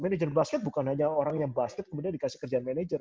manager basket bukan hanya orang yang basket kemudian dikasih kerjaan manajer